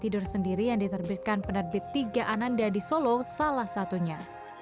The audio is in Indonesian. tidur sendiri yang diterbitkan penerbit tiga ananda di solo salah satunya